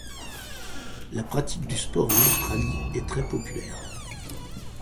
La pratique du sport en Australie est très populaire.